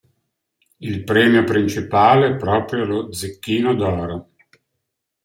Il premio principale è proprio lo "Zecchino d'Oro".